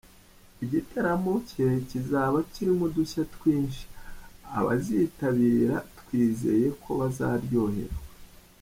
Igitaramo cye kizaba kirimo udushya twinshi, abazitabira twizeye ko bazaryoherwa.